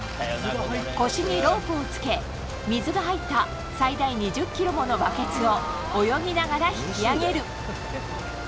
腰にロープを付け、水が入った最大２０ｋｇものバケツを泳ぎながら引き上げる。